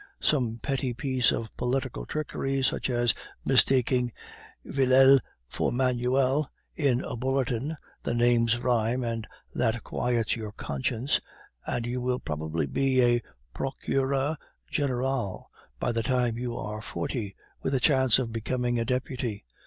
Some petty piece of political trickery, such as mistaking Villele for Manuel in a bulletin (the names rhyme, and that quiets your conscience), and you will probably be a Procureur General by the time you are forty, with a chance of becoming a deputy.